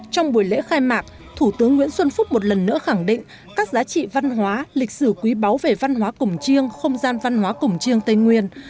trong buổi lễ khai mạc thủ tướng nguyễn xuân phúc một lần nữa khẳng định các giá trị văn hóa lịch sử quý báu về văn hóa cổng chiêng không gian văn hóa cổng chiêng tây nguyên